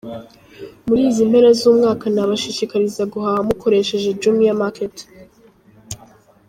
Muri izi mpera z'umwaka nabashishikariza guhaha mukoresheje Jumia Market.